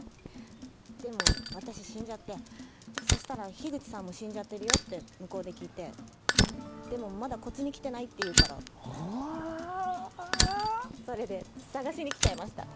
でも私死んじゃってそしたら樋口さんも死んじゃってるよって向こうで聞いてでもまだこっちに来てないっていうからおわそれで捜しに来ちゃいました